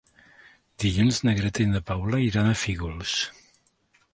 Dilluns na Greta i na Paula iran a Fígols.